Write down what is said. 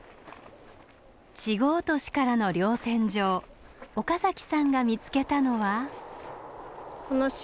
稚児落としからの稜線上岡崎さんが見つけたのは。